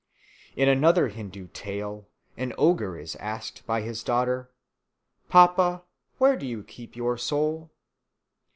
In another Hindoo tale an ogre is asked by his daughter, "Papa, where do you keep your soul?"